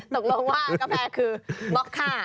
ตกลงว่ากาแฟคือบล็อกค่า